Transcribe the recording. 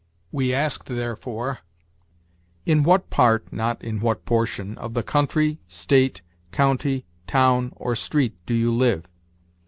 We ask, therefore, "In what part [not, in what portion] of the country, state, county, town, or street do you live?"